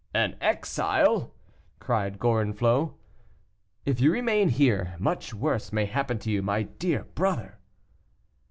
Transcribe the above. "An exile!" cried Gorenflot. "If you remain here, much worse may happen to you, my dear brother."